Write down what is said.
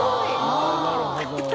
あっなるほど。